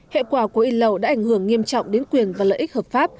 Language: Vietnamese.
hệ quả của in lậu đã ảnh hưởng nghiêm trọng đến quyền và lợi ích hợp pháp